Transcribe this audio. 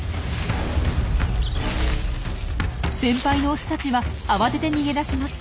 先輩のオスたちは慌てて逃げ出します。